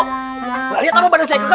nggak lihat apa badan saya keker